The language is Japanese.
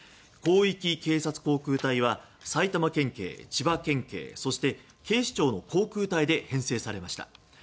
広域警察航空隊は、埼玉県警千葉県警、警視庁の航空隊で編制されました。